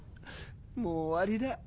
もう終わりだ。